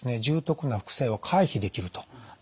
重篤な副作用を回避できると。